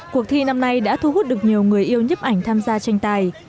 cuộc thi năm nay đã thu hút được nhiều người yêu nhấp ảnh tham gia tranh tài